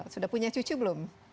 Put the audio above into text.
sudah punya cucu belum